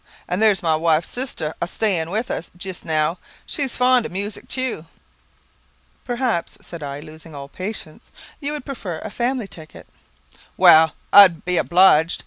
Then there's my wife's sister a staying with us jist now; she's very fond of music tew." "Perhaps," said I, losing all patience, "you would prefer a family ticket?" "Well; I'd be obliged.